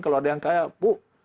kalau ada yang kayak